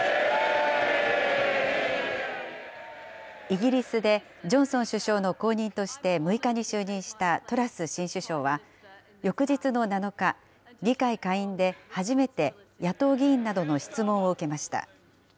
イギリスでジョンソン首相の後任として６日に就任したトラス新首相は、翌日の７日、議会下院で初めて野党議員などの質問を受けました。